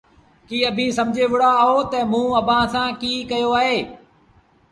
ڪيٚ اڀيٚنٚ سمجھي وهُڙآ اهو تا موٚنٚ اڀآنٚ سآݩٚ ڪيٚ ڪيو اهي؟